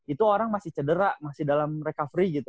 itu orang masih cedera masih dalam recovery gitu